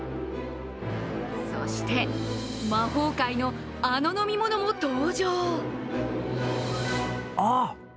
そして、魔法界のあの飲み物も登場ああ！